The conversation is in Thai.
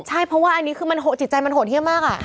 ใช่เพราะว่าอันนี้คือจิตใจมันโหดเยี่ยมมาก